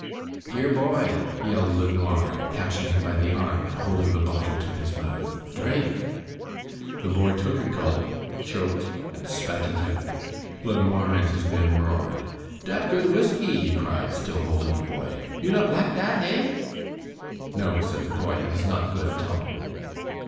"Here, boy!" yelled LeNoir, catching him by the arm and holding the bottle to his mouth, "drink." The boy took a gulp, choked, and spat it out. LeNoir and his men roared. "Dat good whiskey," he cried, still holding the boy. "You not lak dat, hey?" "No," said the boy, "it is not good at all."